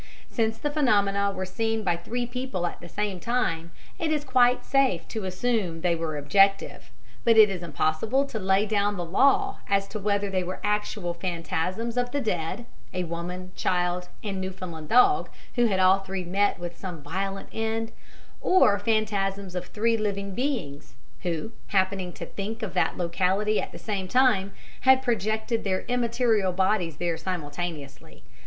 Since the phenomena were seen by three people at the same time, it is quite safe to assume they were objective, but it is impossible to lay down the law as to whether they were actual phantasms of the dead of a woman, child, and Newfoundland dog who had all three met with some violent end or phantasms of three living beings, who, happening to think of that locality at the same time, had projected their immaterial bodies there simultaneously.